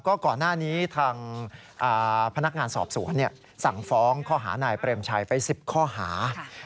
ก่อนหน้านี้ทางพนักงานสอบสวนสั่งฟ้องข้อหานายเปรมชัยไป๑๐ข้อหา